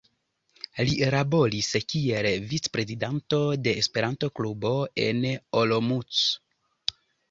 Li laboris kiel vicprezidanto de Esperanto-klubo en Olomouc.